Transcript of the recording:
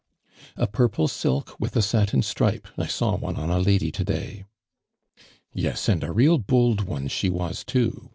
" A purple silk with a satin stripe, I saw one on a lady to day.'' '• Yes, and a real bold one she was too